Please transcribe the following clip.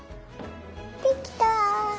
できた！